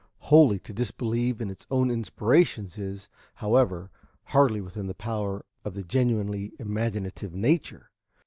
Wholly to disbelieve in its own inspirations is, however, hardly within the power of the genuinely imaginative nature.